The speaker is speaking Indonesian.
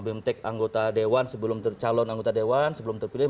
bemtek anggota dewan sebelum calon anggota dewan sebelum terpilih